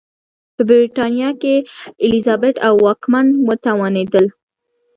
په برېټانیا کې الیزابت او واکمنان وتوانېدل.